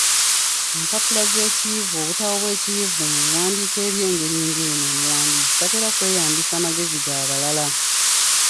Empapula z’ekiyivu, obutabo obw’ekiyivu, mu biwandiiko eby’engeri eno omuwandiisi tatera kweyambisa magezi ga balala.